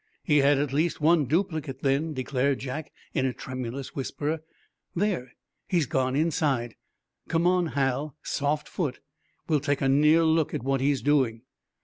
"He had at least one duplicate, then," declared Jack, in a tremulous whisper. "There, he's gone inside. Come on, Hal soft foot! We'll take a near look at what he's doing."